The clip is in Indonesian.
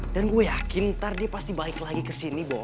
dan gue yakin ntar dia pasti balik lagi ke sini bo